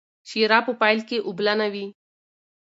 شیره په پیل کې اوبلنه وي.